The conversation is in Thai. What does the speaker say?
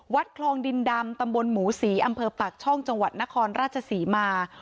วัดคลองดินดำตำบลหมูศรีอำเภอปากช่องจังหวัดนครราชศรีมา